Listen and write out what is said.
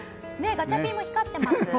ガチャピンも光ってます。